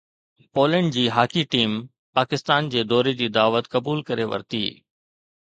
Poland جي hockey team Pakistan جي دوري جي دعوت قبول ڪري ورتي